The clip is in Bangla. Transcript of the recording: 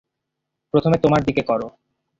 প্রথমে তোমার দিকে করো।